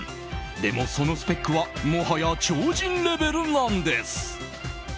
でも、そのスペックはもはや超人レベルなんです。